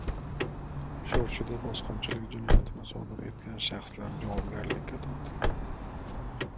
Sho‘rchida bosqinchilik jinoyatini sodir etgan shaxslar javobgarlikka tortildi